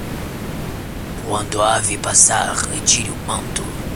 Quando a ave passar, retire o manto.